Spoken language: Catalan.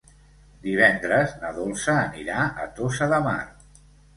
Divendres na Dolça anirà a Tossa de Mar.